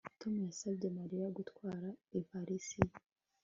tom yasabye mariya gutwara ivalisi ye